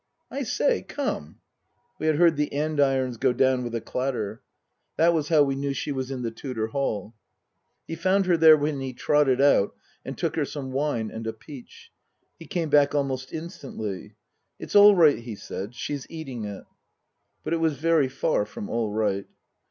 " I say ! Come " We had heard the andirons go down with a clatter. That was how we knew she was in the Tudor hall. He found her there when he trotted out and took her some wine and a peach. He came back almost instantly. " It's all right," he said. " She's eating it." But it was very far from all right.